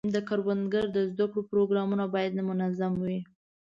د کروندګرو د زده کړو پروګرامونه باید منظم وي.